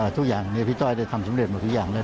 ทุกอย่างพี่ต้อยได้ทำสำเร็จหมดทุกอย่างเลย